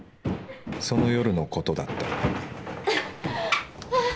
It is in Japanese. その夜のことだったはあ。